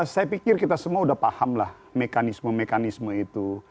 saya pikir kita semua sudah paham lah mekanisme mekanisme itu